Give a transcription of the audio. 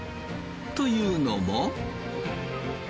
というのも。